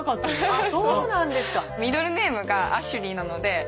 あっそうなんですか。